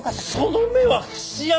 その目は節穴か！？